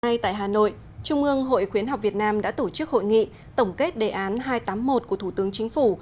ngay tại hà nội trung ương hội khuyến học việt nam đã tổ chức hội nghị tổng kết đề án hai trăm tám mươi một của thủ tướng chính phủ